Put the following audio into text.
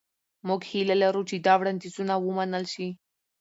موږ هیله لرو چې دا وړاندیزونه ومنل شي.